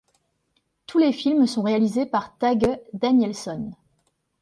Tous les films sont réalisés par Tage Danielsson.